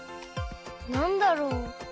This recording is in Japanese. なんだろう？